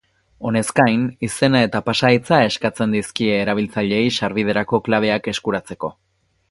Honez gain, izena eta pasahitza eskatzen dizkeie erabiltzaileei sarbiderako klabeak eskuratzeko.